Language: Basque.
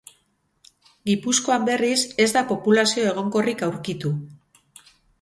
Gipuzkoan, berriz, ez da populazio egonkorrik aurkitu.